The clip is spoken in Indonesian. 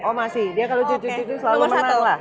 oh masih dia kalau cucu cucu selalu marah lah